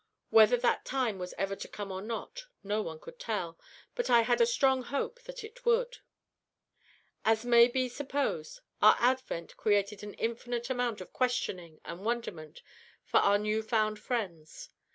Whether that time was ever to come or not, no one could tell; but I had strong hope that it would. As may be supposed, our advent created an infinite amount of questioning and wonderment for our new found friends.